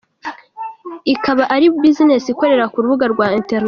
ikaba ari buzinesi ikorera ku rubuga rwa internet.